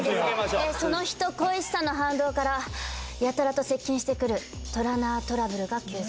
えその人恋しさの反動からやたらと接近してくるトナラートラブルが急増。